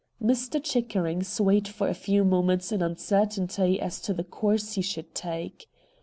Mr. Chickering swayed for a few moments in uncertainty as to the course he should take.